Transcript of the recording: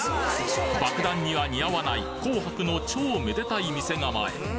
ばくだんには似合わない紅白の超めでたい店構え